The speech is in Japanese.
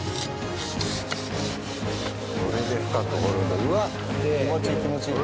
これで深く掘るうわっ気持ちいい気持ちいい。